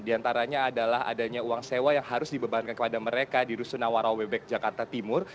di antaranya adalah adanya uang sewa yang harus dibebankan kepada mereka di rusunawarawebek jakarta timur